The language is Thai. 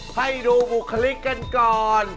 ให้ดูบุคลิกกันก่อน